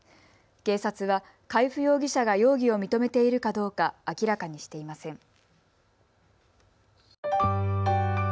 警察は海部容疑者が容疑を認めているかどうか明らかにしていません。